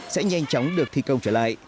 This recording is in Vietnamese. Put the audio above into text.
muốn được thi công trở lại